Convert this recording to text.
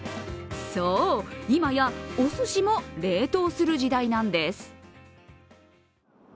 そう、今やおすしも冷凍する時代なんです。